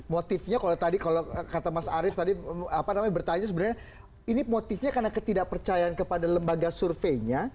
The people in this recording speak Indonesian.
motifnya kalau tadi kalau kata mas arief tadi bertanya sebenarnya ini motifnya karena ketidakpercayaan kepada lembaga surveinya